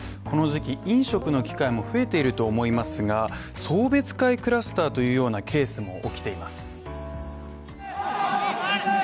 この時期、飲食の機会も増えていると思いますが送別会クラスターというようなケースも起きています。